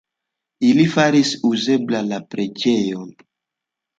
Ili faris uzebla la preĝejon.